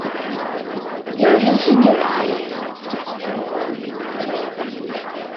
You're losing your eye.